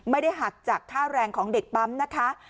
ไม่ได้หักจากค่าแรงของเด็กปั๊มนะคะ